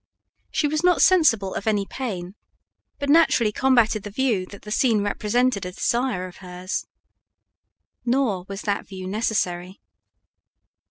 She was not sensible of any pain, but naturally combatted the view that the scene represented a desire of hers. Nor was that view necessary.